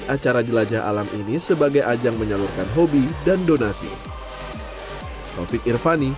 acara jelajah alam ini sebagai ajang menyalurkan hobi dan donasi